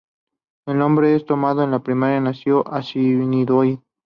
El nombre es tomado de la Primera Nación Assiniboine.